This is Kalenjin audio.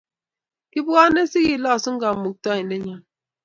Kibwane si kilosu kamukraindennyo.